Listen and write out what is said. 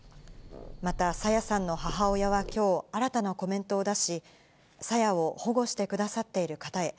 また、朝芽さんの母親はきょう、新たなコメントを出し、朝芽を保護してくださっている方へ。